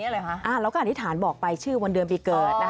เราก็อธิษฐานบอกไปชื่อวันเดือนปีเกิด